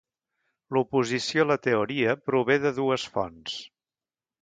L'oposició a la teoria prové de dues fonts.